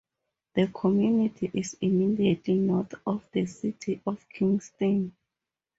The community is immediately north of the City of Kingston.